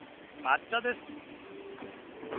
「抹茶」です。